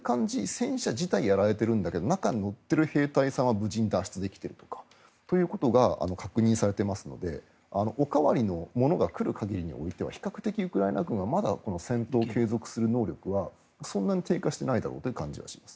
戦車自体やられてるけど中に乗っている兵隊さんは無事に脱出できているということが確認されていますのでお代わりのものが来る限りにおいては比較的ウクライナ軍は戦闘を継続する能力はそんなに低下していないだろうという感じはします。